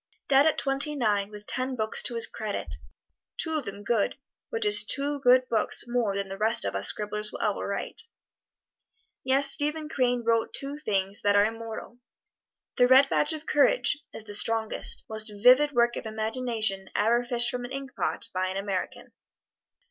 Dead at twenty nine, with ten books to his credit, two of them good, which is two good books more than most of us scribblers will ever write. Yes, Stephen Crane wrote two things that are immortal. "The Red Badge of Courage" is the strongest, most vivid work of imagination ever fished from an ink pot by an American.